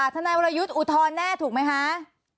ทนายวรยุทธ์อุทธรณ์แน่ถูกไหมคะ